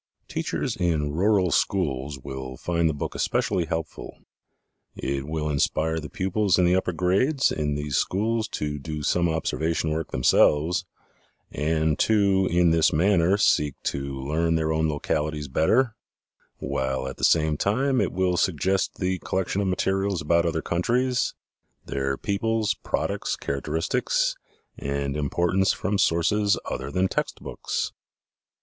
Teachers in rural schools will find the book especially helpful. It will inspire the pupils in the upper grades in these schools to do some observation work themselves and to in this manner seek to learn their own localities better, while at the same time it will suggest the collection of materials about other countries, their peoples, products, characteristics and importance from sources other than text books.